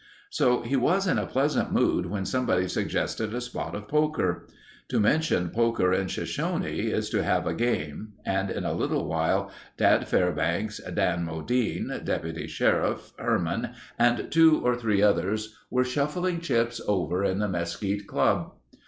So he was in a pleasant mood when somebody suggested a spot of poker. To mention poker in Shoshone is to have a game and in a little while Dad Fairbanks, Dan Modine, deputy sheriff, Herman, and two or three others were shuffling chips over in the Mesquite Club.